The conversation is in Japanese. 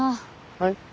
はい？